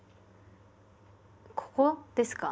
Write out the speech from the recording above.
ここですか？